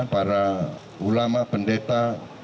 para ulama pendeta